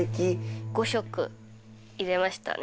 ５色入れましたね